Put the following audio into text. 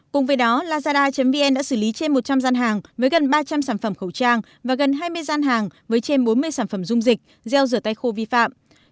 cùng với đó lazada vn đã xử lý trên một trăm linh gian hàng với gần ba trăm linh sản phẩm khẩu trang và gần hai mươi gian hàng với trên bốn mươi sản phẩm dung dịch gel rửa tay khô vi phạm